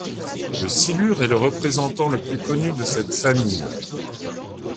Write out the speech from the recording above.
Le silure est le représentant le plus connu de cette famille.